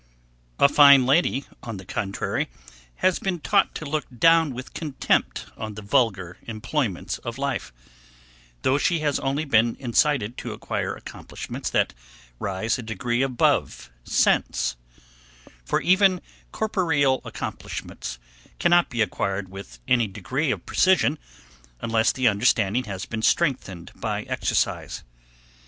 A fine lady, on the contrary, has been taught to look down with contempt on the vulgar employments of life; though she has only been incited to acquire accomplishments that rise a degree above sense; for even corporeal accomplishments cannot be acquired with any degree of precision, unless the understanding has been strengthened by exercise.